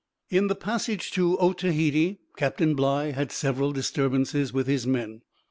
In the passage to Otaheite, Captain Bligh had several disturbances with his men.